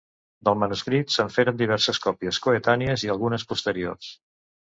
Del manuscrit se'n feren diverses còpies coetànies i algunes posteriors.